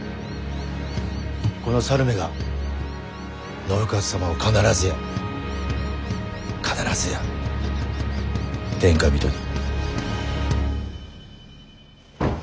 この猿めが信雄様を必ずや必ずや天下人に。